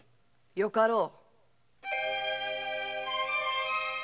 よかろう。